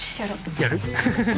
やる？